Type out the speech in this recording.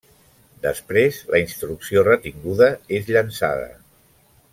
Després, la instrucció retinguda és llançada.